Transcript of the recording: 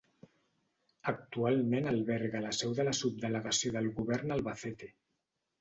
Actualment alberga la seu de la Subdelegació del Govern a Albacete.